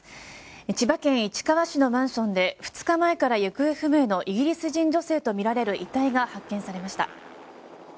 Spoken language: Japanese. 千葉県市川市のマンションで２日前から行方不明のイギリス人女性とみられる遺体が発見されました。